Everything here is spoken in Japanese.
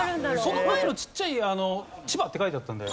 その前のちっちゃい「千葉」って書いてあったんで。